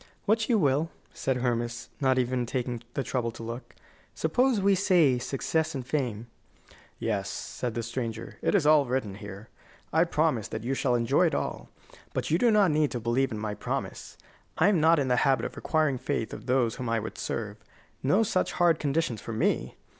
"What you will," said Hermas, not even taking the trouble to look. "Suppose we say success and fame?" "Yes," said the stranger; "it is all written here. I promise that you shall enjoy it all. But you do not need to believe in my promise. I am not in the habit of requiring faith of those whom I would serve. No such hard conditions for me!